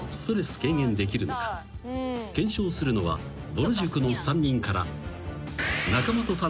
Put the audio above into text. ［検証するのはぼる塾の３人から］